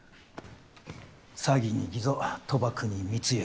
詐欺に偽造賭博に密輸。